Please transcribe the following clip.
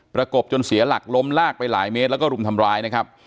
ประกบจนเสียหลักล้มลากไปหลายเมตรแล้วก็รุมทำร้ายนะครับ